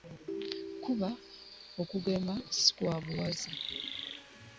Kuba okugema si kwa buwaze